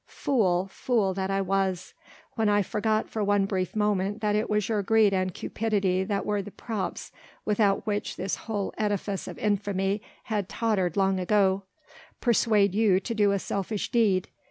Fool! fool that I was! when I forgot for one brief moment that it was your greed and cupidity that were the props without which this whole edifice of infamy had tottered long ago; persuade you to do a selfish deed!